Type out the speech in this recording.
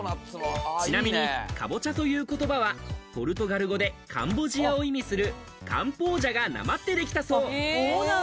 ちなみにかぼちゃという言葉はポルトガル語でカンボジアを意味するカンポージャが訛って出来たそう。